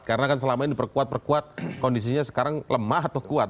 karena kan selama ini diperkuat perkuat kondisinya sekarang lemah atau kuat